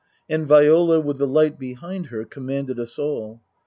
And Viola, with the light behind her, commanded us all.